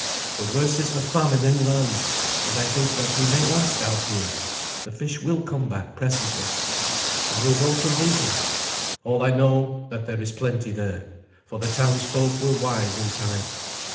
For worse is the famine inland; and I think that we may last out here. The fish will come back presently." "I will go to Lincoln. All know that there is plenty there, for the townsfolk were wise in time.